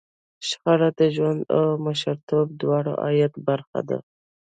شخړه د ژوند او مشرتوب دواړو عادي برخه ده.